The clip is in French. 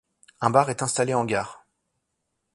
Un bar est installé en gare.